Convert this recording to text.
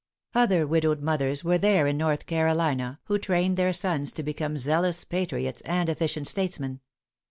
Other widowed mothers were there in North Carolina, who trained their sons to become zealous patriots and efficient statesmen.